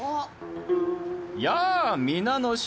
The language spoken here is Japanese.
やあ皆の衆